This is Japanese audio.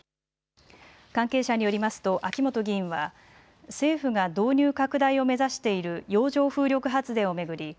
関係者によりますと秋本議員は政府が導入拡大を目指している洋上風力発電を巡り